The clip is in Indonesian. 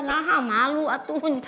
nah ha malu atuh